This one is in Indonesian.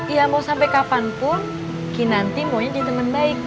iya mau sampai kapanpun ki nanti maunya jadi temen baik